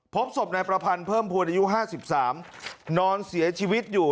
พบศพในประพันธ์เพิ่มภูมิอายุห้าสิบสามนอนเสียชีวิตอยู่